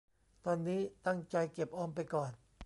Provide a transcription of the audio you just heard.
ตอนนี้ตั้งใจเก็บออมไปก่อน